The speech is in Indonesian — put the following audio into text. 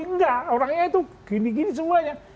enggak orangnya itu gini gini semuanya